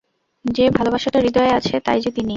যে ভালবাসাটা হৃদয়ে আছে, তাই যে তিনি।